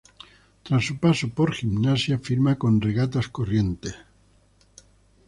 Tras su paso por Gimnasia, firma con Regatas Corrientes.